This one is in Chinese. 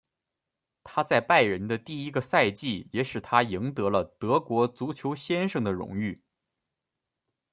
他在拜仁的第一个赛季也使他赢得了德国足球先生的荣誉。